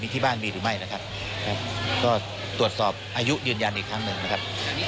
ที่บ้านมีหรือไม่นะครับก็ตรวจสอบอายุยืนยันอีกครั้งหนึ่งนะครับ